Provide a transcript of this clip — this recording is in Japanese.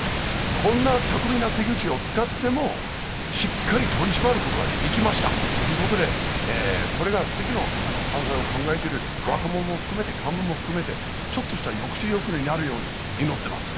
こんな巧みな手口を使っても、しっかり取り締まることができましたということで、これが次の犯罪を考えている若者も含めて、幹部も含めて、ちょっとした抑止力になるように祈ってますね。